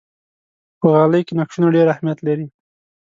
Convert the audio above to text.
په غالۍ کې نقشونه ډېر اهمیت لري.